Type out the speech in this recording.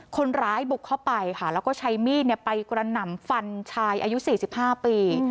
คนร้ายบุกเข้าไปค่ะแล้วก็ใช้มีดไปกระหน่ำฟันชายอายุ๔๕ปี